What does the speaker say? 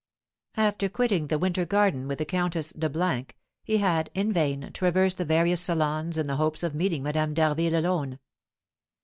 After quitting the winter garden with the Countess de , he had, in vain, traversed the various salons in the hopes of meeting Madame d'Harville alone.